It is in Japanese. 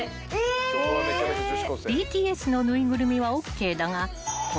［ＢＴＳの縫いぐるみはＯＫだが］